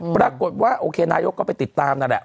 ปรากฏว่าโอเคนายกก็ไปติดตามนั่นแหละ